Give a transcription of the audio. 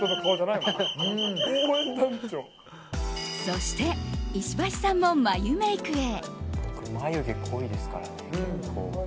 そして石橋さんも眉メイクへ。